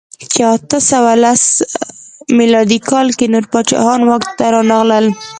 په اته سوه لس میلادي کال کې نور پاچاهان واک ته رانغلل.